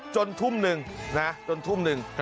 จนทุ่มนึงนะจนทุ่มนึง